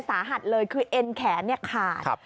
สาหัสเลยคือเอ็นแขนขาด